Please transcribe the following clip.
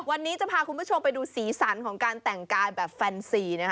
วันนี้จะพาคุณผู้ชมไปดูสีสันของการแต่งกายแบบแฟนซีนะคะ